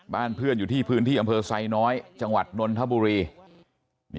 บ้านเพื่อนอยู่ที่พื้นที่อำเภอไซน้อยจังหวัดนนทบุรี